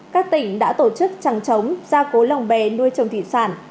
các tỉnh đã tổ chức trằng trống gia cố lòng bè nuôi trồng thị sản